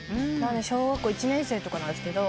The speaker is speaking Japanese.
小学校１年生とかなんですが。